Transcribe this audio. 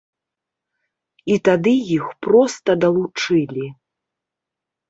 І тады іх проста далучылі.